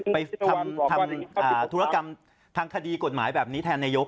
ไปทำธุรกรรมทางคดีกฎหมายแบบนี้แทนนายก